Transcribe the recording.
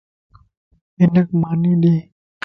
ھنک ماني ڏي